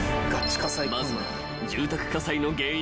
［まずは住宅火災の原因